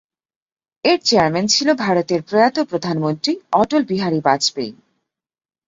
এর চেয়ারম্যান ছিলেন ভারতের প্রয়াত প্রধানমন্ত্রী অটল বিহারী বাজপেয়ী।